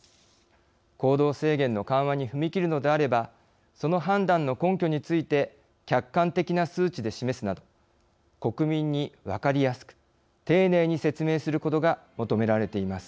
行動制限の緩和に踏み切るのであればその判断の根拠について客観的な数値で示すなど国民に分かりやすく丁寧に説明することが求められています。